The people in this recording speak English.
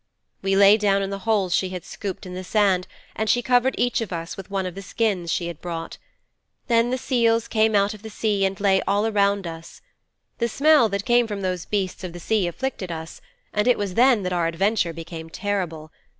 "' 'We lay down in the holes she had scooped in the sand and she covered each of us with one of the skins she had brought. Then the seals came out of the sea and lay all around us. The smell that came from those beasts of the sea afflicted us, and it was then that our adventure became terrible.